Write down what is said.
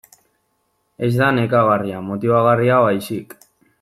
Ez da nekagarria, motibagarria baizik.